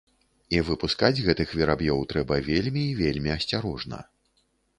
І выпускаць гэтых вераб'ёў трэба вельмі і вельмі асцярожна.